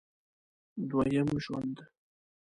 دوه یم ژوند